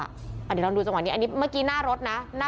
เดี๋ยวลองดูจังหวะนี้อันนี้เมื่อกี้หน้ารถนะ